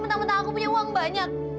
bentang bentang aku punya uang banyak